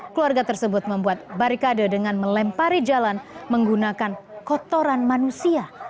keluarga tersebut membuat barikade dengan melempari jalan menggunakan kotoran manusia